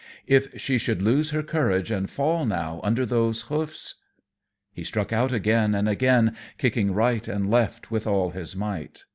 If she should lose her courage and fall now, under those hoofs He struck out again and again, kicking right and left with all his might.